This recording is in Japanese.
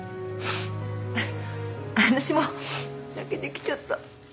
私も泣けてきちゃった。